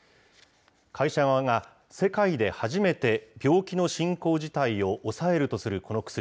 会社側が世界で初めて、病気の進行自体を抑えるとするこの薬。